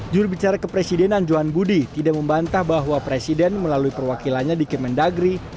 jurubicara kepresidenan johan budi tidak membantah bahwa presiden melalui perwakilannya di kementerian dalam negeri widodo